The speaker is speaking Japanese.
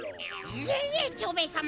いえいえ蝶兵衛さま！